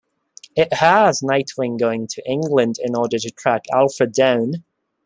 It has Nightwing going to England in order to track Alfred down.